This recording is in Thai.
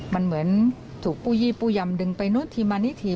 มันเหมือนถูกปู้ยี่ปู้ยำดึงไปนู้นทีมานี่ที